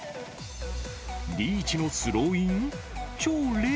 リーチのスローイン？